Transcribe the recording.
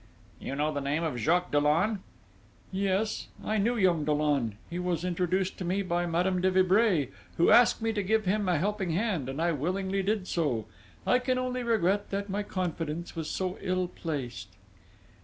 "You know the name of Jacques Dollon?" "Yes. I knew young Dollon. He was introduced to me by Madame de Vibray, who asked me to give him a helping hand, and I willingly did so. I can only regret now that my confidence was so ill placed."